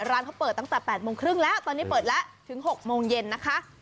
ร้านเขาเปิดตั้งแต่๘โมงครึ่งแล้วตอนนี้เปิดแล้วถึง๖โมงเย็นนะคะ